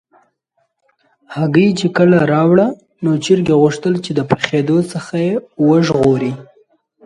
هګۍ چې کله راوړه، نو چرګې غوښتل چې د پخېدو څخه یې وژغوري.